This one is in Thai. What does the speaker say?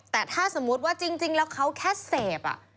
แต่ถ้าสมมุติว่าจริงแล้วเขาแค่เสพ